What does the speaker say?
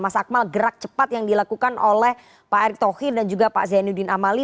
mas akmal gerak cepat yang dilakukan oleh pak erick thohir dan juga pak zainuddin amali